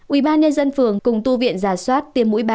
ubnd phường cùng tu viện ra soát tiêm mũi ba cho các em đã đủ điều kiện